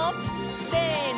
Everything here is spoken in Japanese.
せの！